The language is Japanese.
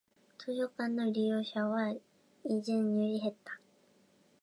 図書館の利用者は以前より減った